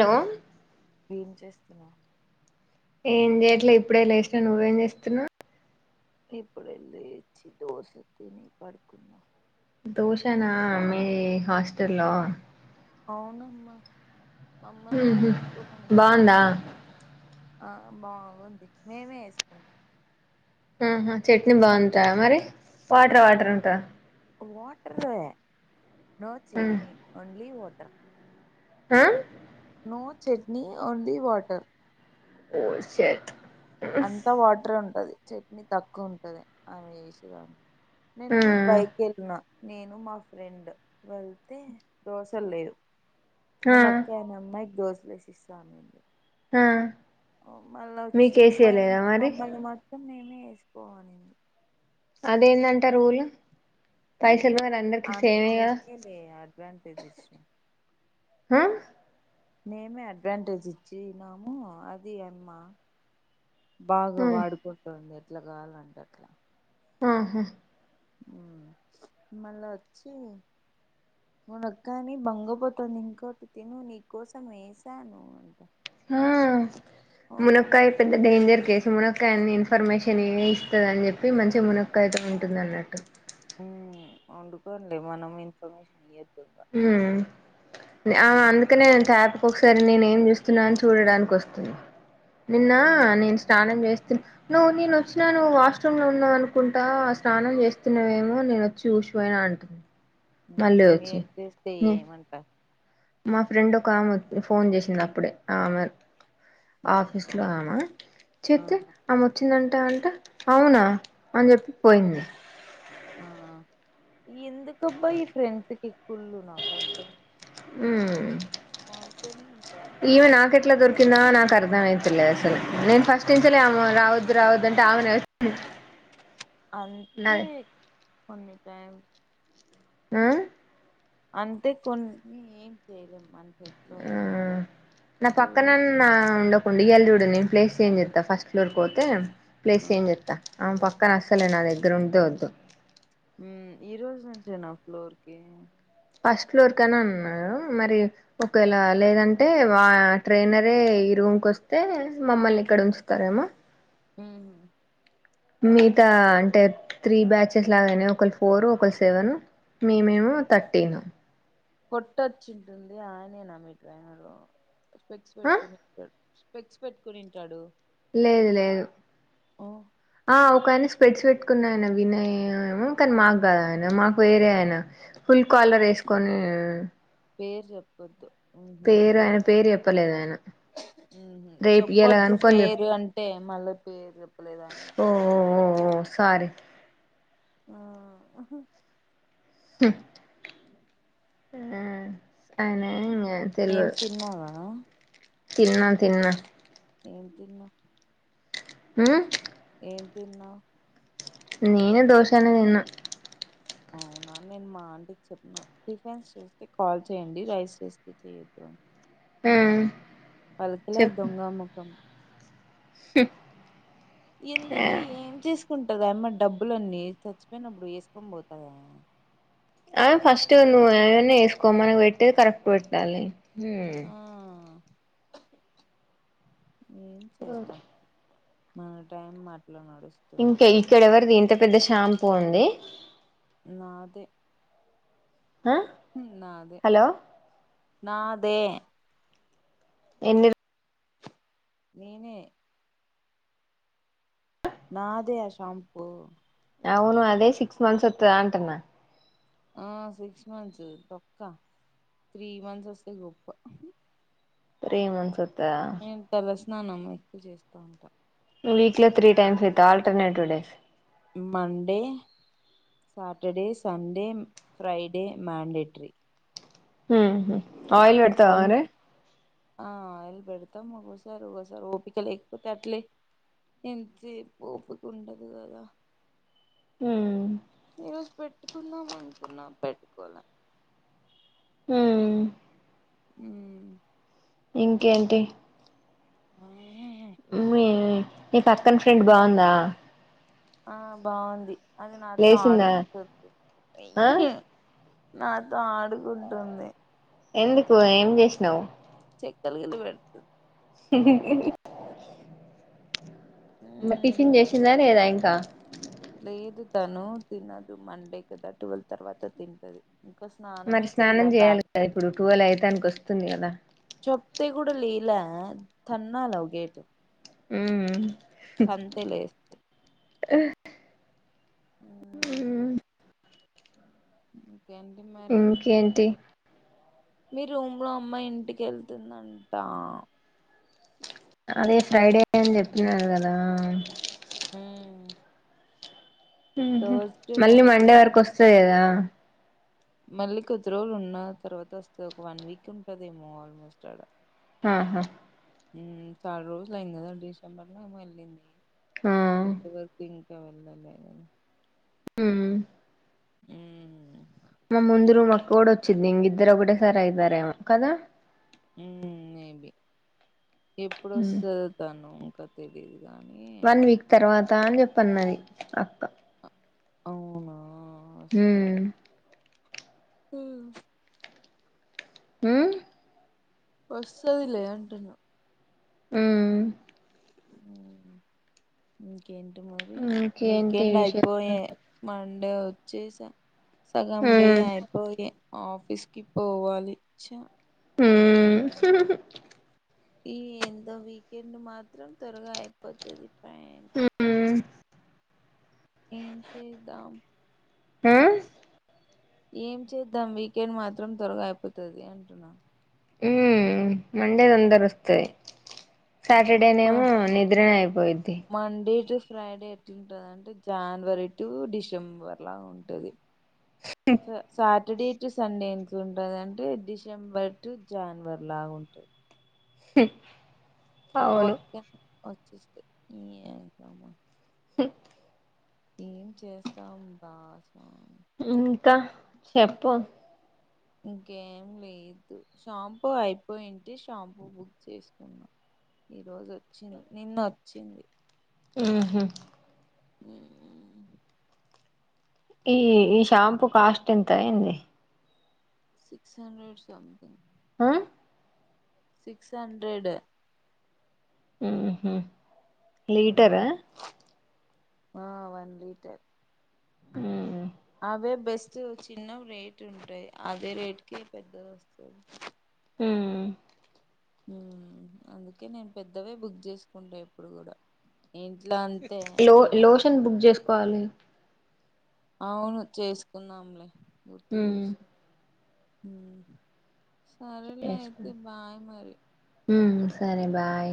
Hello ఏం చేస్తున్నావు ఏం చేయట్లే ఇప్పుడే లేసిన నువ్వేం చేస్తున్నావు ఇప్పుడే లేచీ దోశ తిని పడుకున్నా దోసేనా మీ హాస్టల్ లో అవును అమ్మా మమ్మల్నే ఉహు బాగుందా [unintelligible] బాగుంది మేమే వేసుకుంటాం ఆహా చట్నీ బాగుంటాయా మరి వాటర్ వాటర్ ఉంటా వాటర్ ఏ నో చట్నీ ఓన్లీ ోటర్ ఆ నో చట్నీ ఓన్లీ వాటర్ ఓ షట్ అంతా వాటర్ే ఉంటది చెట్ని తక్కువ ఉంటది ఆమె వేసేది నేను ఆ బైక్ వెళ్ళిన నేను మా ఫ్రెండ్ వెళ్తే దోశలు లేవు ఆ [unintelligible] క్కనే అమ్మాయి దోసలు వేసి ఇస్తా ఉన్నింది ఆ మళ్ళా వచ్చి మమ్ మీకేసేయలేదా మరి మమ్మల్ని మాత్రం మేము యేసుకో అనింది అదేందంట రూలు ఏందో [unintelligible] [unintelligible] హమ్మ్ మేమే అడ్వాంటేజ్ ఇచ్చిన్నాము అది ఆ అమ్మా బాగా వాడిపోతాందే ట్లా కావాలంటే అట్లా ఆహూ మళ్ళ వచ్చి మునక్కానీ బంగపోతుంది ఇంకోటి తిను నీకోసం ఏసాను అంట హా ఓయమ్మ మునక్కాయ పెద్ద డేంజర్ కేస్ తు మునక్కాయ్ అన్నీ ఇన్ఫర్మేషన్ ఏ ఇస్తదని చెప్పి మంచిగా మునక్కైతే ఉంటుంది అన్నట్టు ఉమ్ వండుకోండి మనం ఇన్ఫర్మేషన్ ఇయ్య ఊ ఆమె ఉమ్ అందుకనే నేేను తాపికి ఒకసారి నేనేం చూస్తున్నా అని చూడడానికి వస్తుంది నిన్న ఉమ్ నేను స్నానం చేస్ నువ్వు నేను వచ్చినా నువ్ వాష్రూమ్ లో ఉన్నావు అనుకుంటా ఆ స్నానం చేస్తున్నావేమో నేను వచ్చి ఊసిపోయినా అంటుం మళ్ళీ వచ్చి తే ఏం అంటా మా ఫ్రెండ్ ఒక ఆమె ఫోన్ చేసింది అప్పుడే ఆమె ఆ ఆఫీస్ లో ఆమె చెప్తే ఆహా ఆమె వచ్చిందం టా అంటే అవునా అని చెప్పి పోయింది ఆ ఆ ఎందుకబ్బా ఈ ఫ్రెండ్స్ కి ఈ కుళ్ళు నాకు అర్థం ఉమ్ వాళ్ళతోనే ఉంటా ర్ధమైతలేదు అసలు నేను ఫస్టుంచలే ఆమె రావద్దు రావద్దు అంటే ఆమెనే అంతే నాది కొన్ని టైం ఆ అంతే కొన్ని ఏం చేయలేం మన చేతిలో ఆ ఏం ఉండదు నా పక్కనన్న ఉండకుండి ఇయ్యాల చూడు దే నేను ప్లేస్ చేంజ్ చేత్తా ఫస్ట్ ఫ్లోర్కి పోతే ప్లేస్ ఆ చేంజ్ చేత్తా ఆమె ప క్కన అస్సలే నా దగ్గర ఉంటే వద్దు ఉమ్ ఈ రోజు నుంచేనా ఫ్లోర్ కి ఫస్ట్ ఫ్లోర్ కని అన్నారు మరి ఒకవేళ లేదంటే వా ట్రైనరే ఈ రూం కొస్తే మమ్మల్ని ఇక్కడ ఉంచుతారేమో ఉమ్ మిగతా అంటే త్రీ బ్యాచెస్ లాగానే ఒకలు ఫోర్ ఒకలు సెవెన్ మేం ఏమో థర్టీన్ కొట్టచ్చింటుంది ఆయనే నా మీ ట్రైనరు స్పెక్స్ ఆ పెట్టుకొని [unintelligible] స్పెక్స్ పెట్టుకొనింటాడు లేదు లేదు ఆ ఒకాయని స్పెట్స్ పెట్టుకున్న ఆయన వినయ్ యో ఏమో కానీ మాకు కాదు ఆయన మాకు వేరే ఆయన ఫుల్ కాలర్ ఏసుకొని పేరు చెప్పొద్దు ఉహు పేరు ఆయన పేరు చెప్ త్తలేదు ఆయనా చెప్పొద్దు చెప్ పేరు అంటే మళ్ళీ పేరు చెప్పలేద ఓ ఓ సారీ ఆ హ్మ్ ఆ అనా ఏం తిన్నావా తిన్నా తిన్నా ఏం తిన్నా హ్మ్ ఏం తిన్నా నేను దోషానే తిన్నా అవునా నేను మా ఆంటికి చెప్పిన టిఫెన్స్ చేస్తే కాల్ చేయండి రైస్ చేస్తే చెయొద్దు అని ఆ పలకలే దొంగామొఖం హు ఎందుకు ఏం చేసు కుంటదామ్మాయి డబ్బులన్నీ చచ్చిపోయినప్పుడు వేసుకొని పోతదా ఆ ఫస్ట్ నువ్వు అవన్నీ వేసుకో మనకు పెట్టేది కరెక్ట్ పెట్టాలి హ్మ్ ఆ ఏం చేస్తా మన టైమ్ మ ఇంకే ఇక్కడెవరు దిన్ త పెద్ద షాంపూ ఉంది నాది ఆ హలో నాదే ఎన్నిర్ నేనే నాదే ఆ షాంపూ అవును అదే సిక్స్ మంత్స్ వత్తదా అంటున్నా ఆ సిక్స్ మంత్స్ తొక్క త్రీ మంత్స్ వస్తే గొప్ప త్రీ మంత్స్ వత్తదా ఏం టదస్ స్నానం ఎక్కువ చేస్తా ఉంటా వీక్ లో త్రీ టైమ్స్ ఐతే alternative days Monday Saturday Sunday Friday mandatory ఆహా ఆయిల్ పెడతావా సన్ రే ఆ ఆయలు పెడతాము ఒసారి ఒకసారి ఓపిక లేకపోతే అట్లే ఎంత ఓపిక ఉండదు కదా హ ఈరోజు పెట్టుకుందాం అనుకున్నాం పెట్టుకోల హ ఉ ఇంకేంటి ఆ నీ పక్కన ఫ్రెండ్ బాగుందా ఆ బాగుంది అది నాతో లేసిందా ఆడుకుంటుంది ఆ నాతో ఆడుకుంటుంది ఎందుకు ఏం చేసినావు చెక్కలు గిల్లి పెడుతుంది [unintelligible] మ్మ్. టిఫిన్ చేసిందా లేదా ఇం కుక్క లేదు తను తినదు మండే కదా టువెల్్ తర్వాత తింటది ఇంకా మరి స్నానమే స్నానం చేయలే చేయాలి బ్యాగ్ కదా ఇప్పుడు టూవల్ అఐతానికి వస్తుంది కదా అత్తతే కూడా లేయల తన్నాల వకేట్ ఉ [unintelligible] ఆ ఆ ఇంకేంటి మరి ఇంకేంటి మీ రూమ్ లో అమ్మాయి ఇంటికి వెళ్తుందంటా అదే ఫ్రైడే అని చెప్తున్నారు కదా హ రోజ మళ్ళీ నైట్ మండే వరకు ఏమన్నా వస్తది కదా [unintelligible] మళ్ళీ కొద్ది రోజులు ఉన్న తర్వాత వస్తే ఒక వన్ వీక్ ఉంటదేమో ఆల్మోస్ట్ అడ ఆాహా చాలా రోజులు అయింది కదా డిసెంబర్ లో ఏమో వెళ్ళింది ఆ ఇప్పుడు వరకు వెళ్లలేదు హ అ మా ముందరు మ అక్క కూడా వచ్చింది ఇంకా ఇద్దరు ఒకటే సారి అయితారు ఏమో కదా మేబి మ్మ్ ఎప్పుడుొస్తుంది తను కదిది వన్ వీక్ తర్వాత్ త్తా అని చెప్పన్నది అక్క అవునా మ్మ్ వస్తద్ హ్మ్ హ్మ్ వస్తదిలే అంటున్న హ్మ్ ఇంకేంటి వీకెండయిపోయే విశేషాలు మన్ డే వచ్చేసా సగండే మ్మ్ ఆపోయే ఆఫీస్ కి పోవాలి చ్చ హ్మ్ ఈ ఎంత వీకెండ్ మాత్రం త్వరగా అయిపోతది పయ్ మ్మ్ మ్మ్ ఏం చేద్దాం ఆ ఏం చేద్దాం వీకెండ్ మాత్రం త్వరగా అయిపోతది హ్మ్ మండే తొందరొస్తది ఆ మా సాటర్డేనేమో నిద్రనే అయిపోయిద్ది మండే టు ఫ్రైడే ఎట్లుంటది అంటే జానవరి టు డిసెంబర్ లా ఉంటది స సార్ సాటర్డే టు సండే ఎంట్ ఉంటాది అంటే డిసెంబర్ టు జనవరి లాగా ఉంటుంది అవును ే చుక్ నీ ఎంకమ [unintelligible] ఏం చేస్తాం బాజ్ ఇంకా చెప్పు ఇంకేం లేదు షాంపూ అయిపోయింటే షాంపూ బుక్ చేసుకున్నా ఈరోజు వచ్చింది నిన్న వచ్చింది. హ్మ్ హ్మ్ హ్మ్ ఈ ఈ షాంపూ కాస్ట్ ఎంత అయింది సిక్స్ హండ్రెడ్ సంథింగ్ ఆ సిక్స్ హండ్రెడ్ హ్మ్ హ్మ్ లీటర ఆ వన్లీటర్ హ్మ్ అవే బెస్ట్ చిన్నవి రేట్ ఉంటయ్ అదే రేట్ కి పెద్దది వస్తుంది హ్మ్ హామ్ అందుకే నేను పెద్దవే బుక్ చేసుకుంటా ఎప్పుడు కూడా ఇంట్లో అంతే ఇడ కాాలి అవును చేసుకున్నాంలే గుర్తు ఉమ్ చేసి హ సరేలే చేసుకో అయితే బాయి మరి సరిే బాయ్